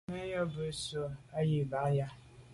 Mèn yub ze bo bwe i là b’a yà.